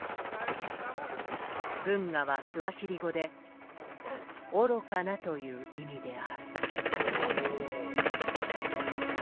「ブンガ」はスワヒリ語で「愚かな」という意味である。